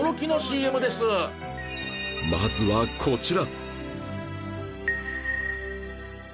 まずはこちら